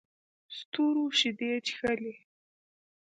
ستورو شیدې چښلې